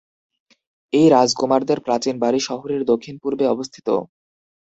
এই রাজকুমারদের প্রাচীন বাড়ি শহরের দক্ষিণ-পূর্বে অবস্থিত।